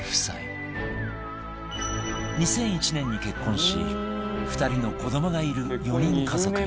２００１年に結婚し２人の子どもがいる４人家族